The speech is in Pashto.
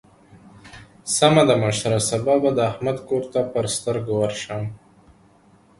سمه ده مشره؛ سبا به د احمد کور ته پر سترګو ورشم.